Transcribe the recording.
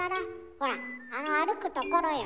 ほらあの歩くところよ。